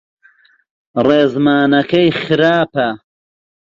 ڕێزمانەکەی خراپە.